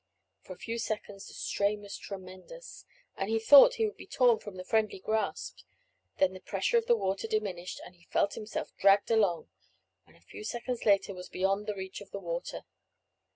For a few seconds the strain was tremendous, and he thought he would be torn from the friendly grasp; then the pressure of the water diminished and he felt himself dragged along, and a few seconds later was beyond the reach of the water.